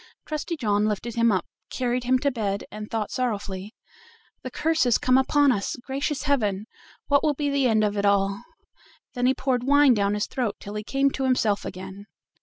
Trusty John lifted him up, carried him to bed, and thought sorrowfully: "The curse has come upon us; gracious heaven! what will be the end of it all?" Then he poured wine down his throat till he came to himself again.